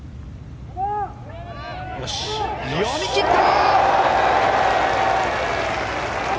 読み切った！